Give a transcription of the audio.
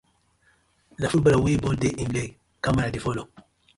Na footballer wey ball dey im leg camera dey follow.